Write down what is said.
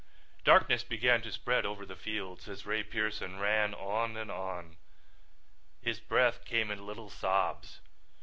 Darkness began to spread over the fields as Ray Pearson ran on and on. His breath came in little sobs.